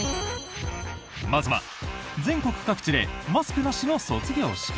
まずは全国各地でマスクなしの卒業式。